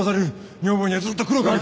女房にはずっと苦労かけて。